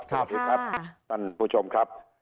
สวัสดีครับท่านผู้ชมครับ